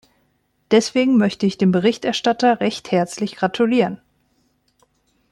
Deswegen möchte ich dem Berichterstatter recht herzlich gratulieren.